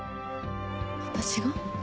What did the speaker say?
私が？